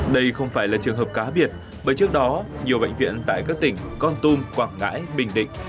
đây không phải là trường hợp cá biệt bởi trước đó nhiều bệnh viện tại các tỉnh con tum quảng ngãi bình định